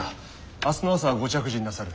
明日の朝ご着陣なさる。